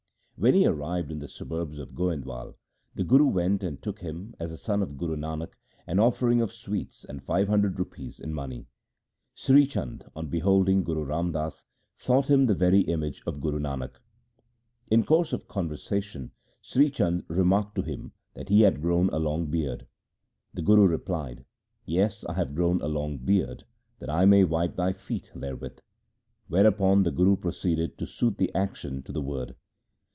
When he arrived in the suburbs of Goindwal, the Guru went and took him, as the son of Guru Nanak, an offering of sweets and five hundred rupees in money. Sri Chand on beholding Guru Ram Das, thought him the very image of Guru Nanak. In the course of conversation Sri Chand remarked to him that he had grown a long beard. The Guru replied, ' Yes, I have grown a long beard that I may wipe thy feet therewith '; whereupon the Guru proceeded to suit the action to the word.